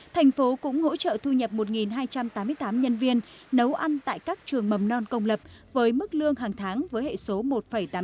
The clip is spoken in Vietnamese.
thành phố cũng hỗ trợ thu nhập một hai trăm tám mươi tám nhân viên nấu ăn tại các trường mầm non công lập với mức lương hàng tháng với hệ số một tám mươi tám